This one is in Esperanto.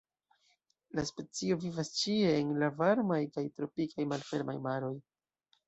La specio vivas ĉie en la varmaj kaj tropikaj malfermaj maroj.